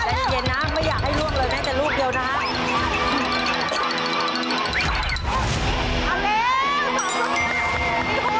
แต่นี่เย็นน้ำไม่อยากให้ร่วงเลยนะแต่รูปเดียวนะครับ